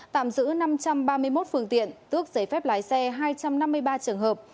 tạm giữ năm trăm ba mươi một phương tiện tước giấy phép lái xe hai trăm năm mươi ba trường hợp